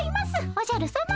おじゃるさま。